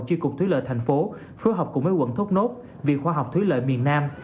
chi cục thúy lợi thành phố phối hợp cùng với quận thốt nốt viện khoa học thúy lợi miền nam